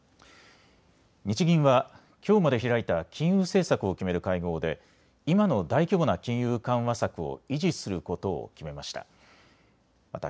日銀はきょうまで開いた金融政策を決める会合で今の大規模な金融緩和策を維持することを決めました。